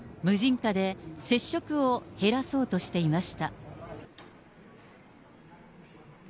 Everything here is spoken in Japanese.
無人化で接触を減らそうとしていました。